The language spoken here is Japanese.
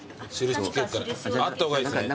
あった方がいいっすね。